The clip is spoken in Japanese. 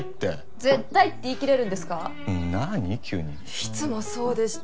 いつもそうでした。